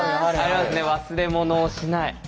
忘れ物をしない。